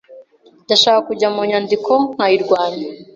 Ndashaka kujya mu nyandiko nkayirwanya.